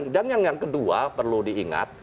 dan yang kedua perlu diingat